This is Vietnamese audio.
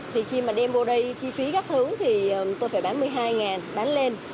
thì khi mà đem vô đây chi phí các thứ thì tôi phải bán một mươi hai bán lên